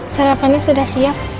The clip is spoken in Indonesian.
sarapannya sudah siap